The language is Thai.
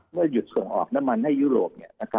หยุดส่งออกน้ำมันให้ยุโรป